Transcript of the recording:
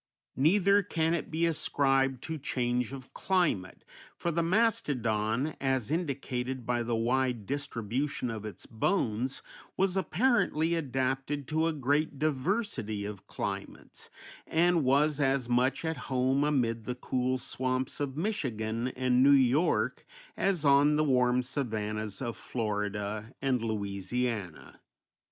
Neither can it be ascribed to change of climate, for the mastodon, as indicated by the wide distribution of its bones, was apparently adapted to a great diversity of climates, and was as much at home amid the cool swamps of Michigan and New York as on the warm savannas of Florida and Louisiana.